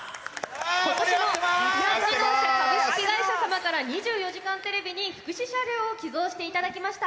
ことしも日産自動車株式会社様から２４時間テレビに福祉車両を寄贈していただきました。